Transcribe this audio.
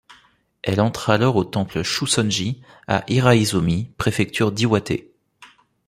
Elle entre alors au temple Chūsonji à Hiraizumi, préfecture d'Iwate.